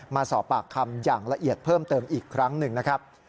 มาสอบปากคำอย่างละเอียดเพิ่มเติมอีกครั้งหนึ่งนะครับ